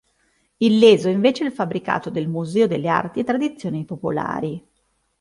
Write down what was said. Illeso invece il fabbricato del Museo delle Arti e Tradizioni Popolari.